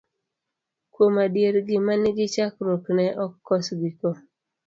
Kuom adier gima nigi chakruok ne ok kos giko.